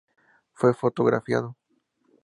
Fue fotografiado.